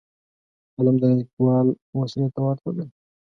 قلم د لیکوال وسلې ته ورته دی